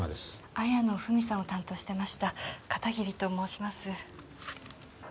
綾野文さんを担当してました片桐と申します。